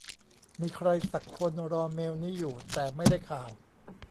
มีใครสักคนรอเมลนี้อยู่ แต่ไม่ได้ข่าว